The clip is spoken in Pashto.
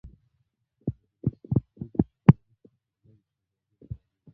له درې سوه څلرویشت کال وروسته پر نویو سوداګرو مالیه و